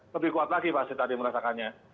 lebih kuat lagi pasti tadi merasakannya